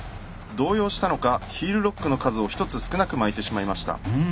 動揺したのかヒールロックの数を１つ少なく巻いてしまいました。